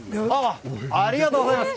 ありがとうございます！